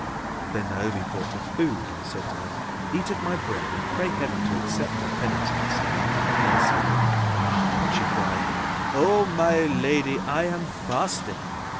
Then Naomi brought her food and said to her, "Eat of my bread and pray Heaven to accept my penitence and to have mercy on me." But she cried, "O my lady, I am fasting.